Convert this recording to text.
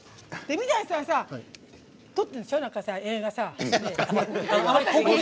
三谷さんさ、撮ってるんでしょ